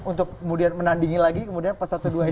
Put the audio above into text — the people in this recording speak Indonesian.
untuk menandingi lagi kemudian pas satu dua ini